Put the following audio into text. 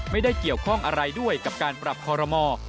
ไม่ได้เกี่ยวข้องอะไรด้วยกับการปรับคอรมอ